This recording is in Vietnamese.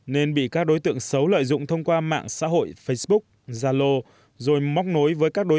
nên bị các đối tượng xấu lợi dụng thông qua mạng xã hội facebook zalo rồi móc nối với các đối tượng